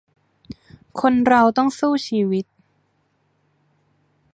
คนเราต้องสู้ชีวิต